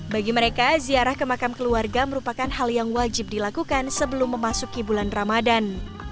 bagi mereka ziarah ke makam keluarga merupakan hal yang wajib dilakukan sebelum memasuki bulan ramadan